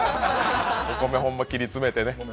お米をほんま切り詰めてね。